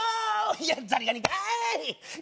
いやザリガニかい！